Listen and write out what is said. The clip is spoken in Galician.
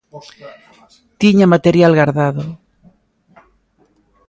Tiña material gardado.